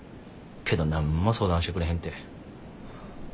けど何も相談してくれへんて。